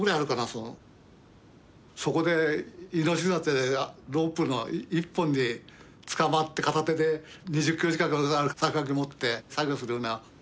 そのそこで命綱ってロープの１本でつかまって片手で２０キロ近くある削岩機持って作業するような。